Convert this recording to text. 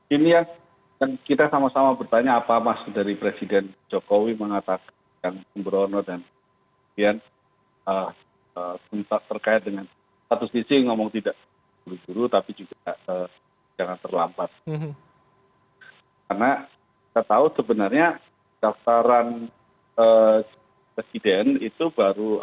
ini yang kita sama sama bertanya apa maksud dari presiden jokowi